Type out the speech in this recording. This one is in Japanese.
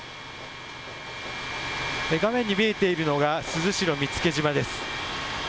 画面に見えているのが珠洲市の見附島です。